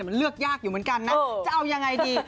มันเลือกยากอยู่เหมือนกันนะจะเอายังไงดี